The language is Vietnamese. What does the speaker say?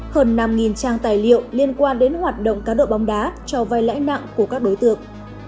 hơn năm trang tài liệu liên quan đến hoạt động cá độ bóng đá cho vai lãi nặng của các đối tượng